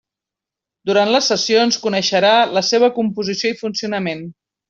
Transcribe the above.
Durant les sessions coneixerà la seua composició i funcionament.